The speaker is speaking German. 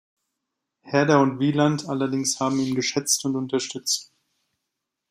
Herder und Wieland allerdings haben ihn geschätzt und unterstützt.